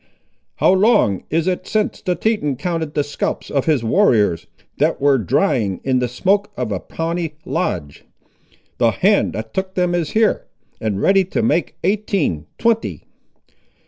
"How long is it since the Teton counted the scalps of his warriors, that were drying in the smoke of a Pawnee lodge? The hand that took them is here, and ready to make eighteen, twenty."